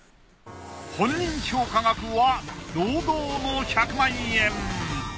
本人評価額は堂々の１００万円